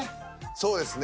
そうですね。